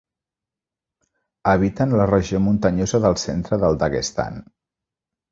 Habiten la regió muntanyosa del centre del Daguestan.